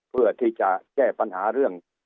เพื่อที่จะแก้ปัญหาเรื่อง